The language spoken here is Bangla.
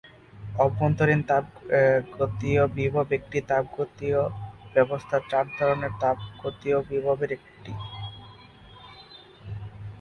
অভ্যন্তরীণ তাপগতীয় বিভব একটি তাপগতীয় ব্যবস্থার চার ধরনের তাপগতীয় বিভবের একটি।